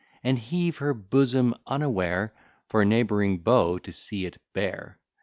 And heave her bosom unaware, For neighb'ring beaux to see it bare.